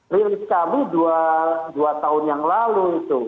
rilis kami dua tahun yang lalu itu